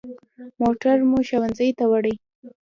موټر مو ښوونځي ته وړي.